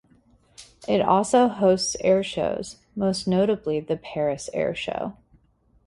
It also hosts air shows, most notably the Paris Air Show.